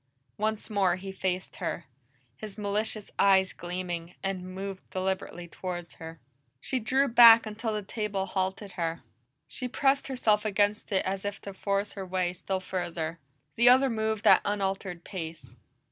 Once more he faced her, his malicious eyes gleaming, and moved deliberately toward her. She drew back until the table halted her; she pressed herself against it as if to force her way still further. The other moved at unaltered pace.